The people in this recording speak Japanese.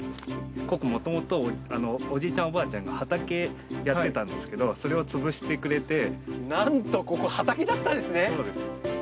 ここ、もともと、おじいちゃん、おばあちゃんが畑やってたんですけど、それを潰しなんと、ここ、畑だったんでそうです。